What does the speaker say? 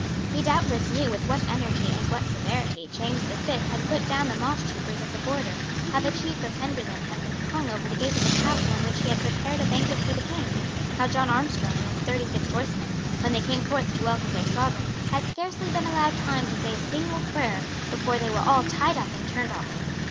He doubtless knew with what energy and what severity James the Fifth had put down the mosstroopers of the border, how the chief of Henderland had been hung over the gate of the castle in which he had prepared a banquet for the King; how John Armstrong and his thirty six horsemen, when they came forth to welcome their sovereign, had scarcely been allowed time to say a single prayer before they were all tied up and turned off.